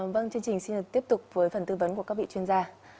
vâng chương trình xin được tiếp tục với phần tư vấn của các vị chuyên gia